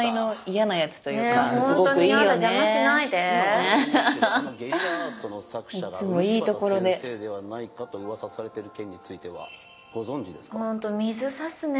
今話題になってるあのゲリラアートの作者が漆畑先生ではないかと噂されてる件についてはご存じですか？